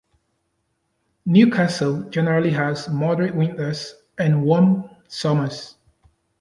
Newcastle generally has moderate winters and warm summers.